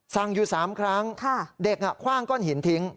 สั่งอยู่๓ครั้งเด็กคว่างก้อนหินทิ้ง